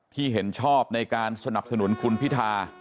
เห็นชอบในการสนับสนุนคุณพิธา